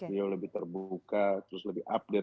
beliau lebih terbuka terus lebih update